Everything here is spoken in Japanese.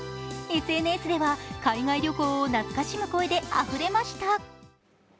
ＳＮＳでは海外旅行を懐かしむ声であふれました。